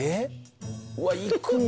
うわっ行くんだ。